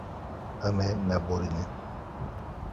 Em ê neborînin.